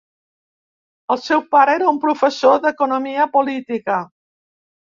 El seu pare era un professor d'economia política.